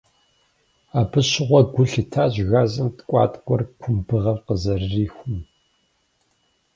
Абы щыгъуэ гу лъитащ газым ткIуаткIуэр кумбыгъэм къызэрырихум.